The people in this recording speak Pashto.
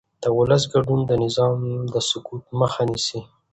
د ولس ګډون د نظام د سقوط مخه نیسي